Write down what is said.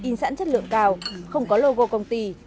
in sẵn chất lượng cao không có logo công ty